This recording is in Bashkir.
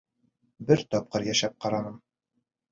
Бер тапҡыр йәшәп ҡараным.